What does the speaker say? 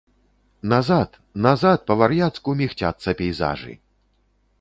Назад, назад па-вар'яцку мігцяцца пейзажы.